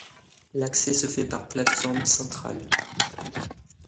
L'accès se fait par plate-forme centrale.